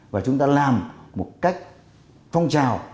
và chúng ta làm một cách phong trào